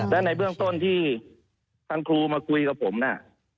และในเบื้องต้นที่ทางครูมาคุยกับผมน่ะ